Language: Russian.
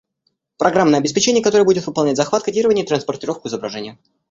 Программное обеспечение, которое будет выполнять захват, кодирование и транспортировку изображения